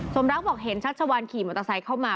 สมรักบอกเห็นชัชวานขี่มอเตอร์ไซค์เข้ามา